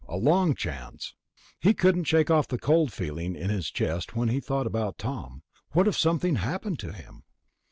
A long chance. He couldn't shake off the cold feeling in his chest when he thought about Tom. What if something happened to him....